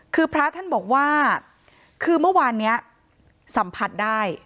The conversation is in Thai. คือพระท่านบอกว่าคือเมื่อวานนี้สัมผัสได้